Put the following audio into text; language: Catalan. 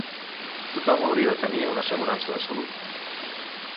Tothom hauria de tenir una assegurança de salut.